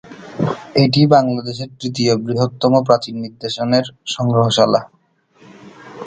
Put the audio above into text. এটি বাংলাদেশের তৃতীয় বৃহত্তম প্রাচীন নিদর্শনের সংগ্রহশালা।